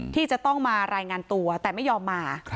ที่จะต้องมารายงานตัวแต่ไม่ยอมมา